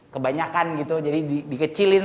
kebanyakan gitu jadi dikecilin